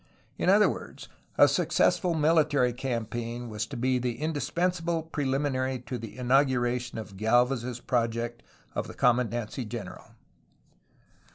In other words a successful military campaign was to be the indispensable preliminary to the inauguration of Gdlvez's project of the commandancy general.